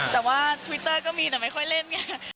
แต่ว่าทวิตเตอร์ก็มีแต่ไม่ค่อยเล่นไง